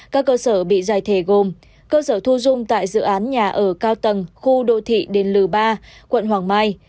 các cơ sở bị giải thể gồm cơ sở thu dung tại dự án nhà ở cao tầng khu đô thị đền lừ ba quận hoàng mai